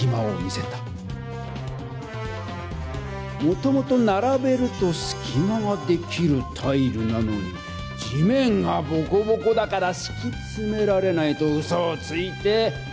もともとならべるとすきまができるタイルなのに「地面がボコボコだからしきつめられない」とうそをついて。